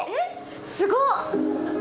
すごっ！